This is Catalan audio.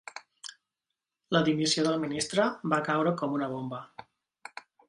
La dimissió del ministre va caure com una bomba.